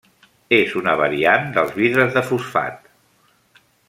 És una variant dels vidres de fosfat.